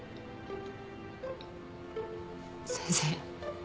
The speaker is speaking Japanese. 先生。